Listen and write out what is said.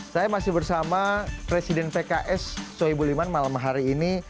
saya masih bersama presiden pks soebul iman malam hari ini